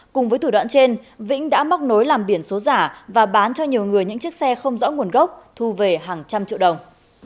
cùng với thủ đoạn trên vĩnh đã móc nối làm biển số giả và bán cho nhiều người những chiếc xe không rõ nguồn gốc thu về hàng trăm triệu đồng